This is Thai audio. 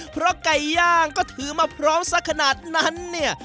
เพราะไก่ย่างก็ถือมาพร้อมสักขนาดนั้นเนี่ย